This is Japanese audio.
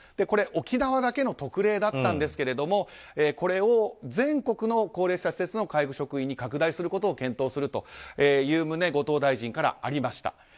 これ、沖縄だけの特例だったんですがこれを全国の高齢者施設の介護職員に拡大することを検討するという旨が後藤大臣からありました。